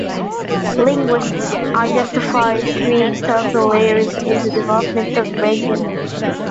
Linguists identify three historical layers in the development of Resian.